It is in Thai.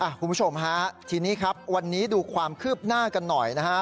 คุณผู้ชมฮะทีนี้ครับวันนี้ดูความคืบหน้ากันหน่อยนะฮะ